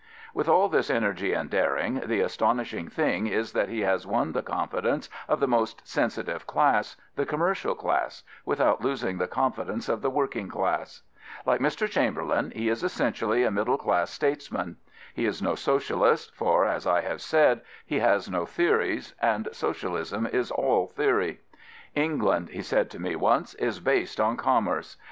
With all this energy and daring, the astonishing thing is that he has won the confidence of the most sensitive class, the commercial class, without losing the confidence of the working class. Like Mr. Chamberlain, he is essentially a middle class states man. He is no Socialist, for, as I have said, he has no theories, and Socialism is all theory. " England,'* he said to me once, is based on commerce.